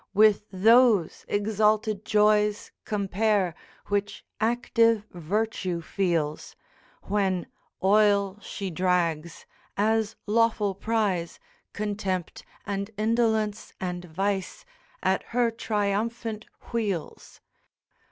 With those exalted joys compare Which active virtue feels, When oil she drags, as lawful prize, Contempt, and Indolence, and Vice, At her triumphant wheels?